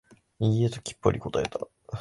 いいえ、ときっぱり答えた。